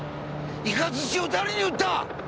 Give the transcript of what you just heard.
イカズチを誰に売った！